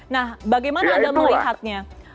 nah bagaimana anda melihatnya